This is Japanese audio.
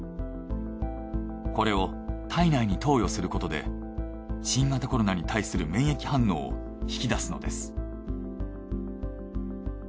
これを体内に投与することで新型コロナに対する免疫反応を引き出すのです。